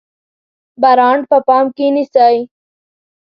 برانډ په پام کې نیسئ؟